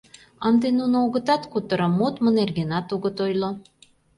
Ынде нуно огытат кутыро, модмо нергенат огыт ойло.